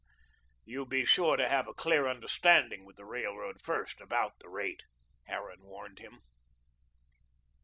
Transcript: "You be sure to have a clear understanding with the railroad first about the rate," Harran warned him.